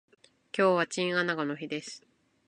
今日はチンアナゴの日です